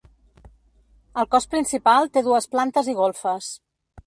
El cos principal té dues plantes i golfes.